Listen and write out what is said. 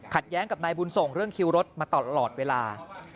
แย้งกับนายบุญส่งเรื่องคิวรถมาตลอดเวลา